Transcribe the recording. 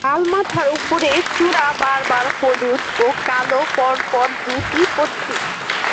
লাল মাথার উপরে চূড়া বরাবর হলুদ ও কালো পরপর দুটি পট্টি।